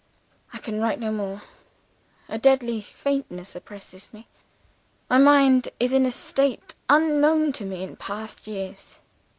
"'I can write no more. A deadly faintness oppresses me. My mind is in a state unknown to me in past years.